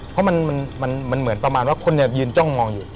เพราะมันเหมือนประมาณว่าคนยืนจ้องมองอยู่